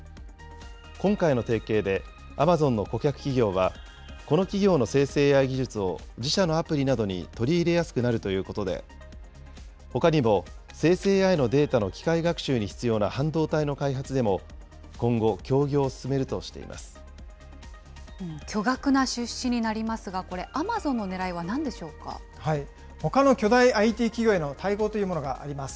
今回の提携で、アマゾンの顧客企業は、この企業の生成ＡＩ技術を自社のアプリなどに取り入れやすくなるということで、ほかにも生成ＡＩのデータの機械学習に必要な半導体の開発でも、巨額な出資になりますが、これ、アマゾンのねらいはなんでしょうか。ほかの巨大ＩＴ企業への対抗というものがあります。